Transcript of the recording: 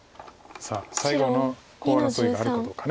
さあ最後のコウ争いがあるかどうか。